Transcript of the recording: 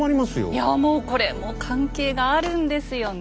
いやもうこれ関係があるんですよね。